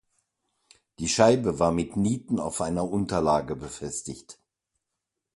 Die Scheibe war mit Nieten auf einer Unterlage befestigt.